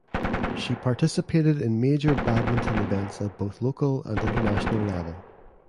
She participated in major badminton events at both local and international level.